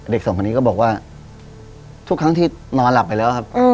สองคนนี้ก็บอกว่าทุกครั้งที่นอนหลับไปแล้วครับ